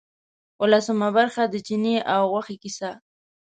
اوولسمه برخه د چیني او غوښې کیسه.